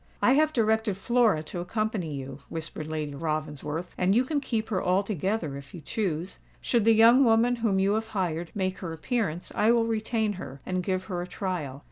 "I have directed Flora to accompany you," whispered Lady Ravensworth; "and you can keep her altogether, if you choose. Should the young woman whom you have hired, make her appearance, I will retain her, and give her a trial.